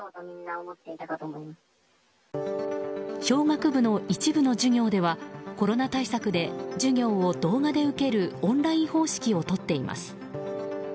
商学部の一部の授業ではコロナ対策で授業を動画で受けるオンライン方式をとっています。